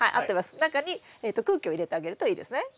中に空気を入れてあげるといいですね。